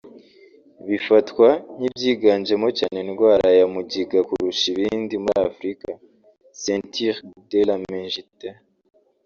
bifatwa nk’ibyiganjemo cyane indwara ya mugiga kurusha ibindi muri Afrika « ceinture de la méningite »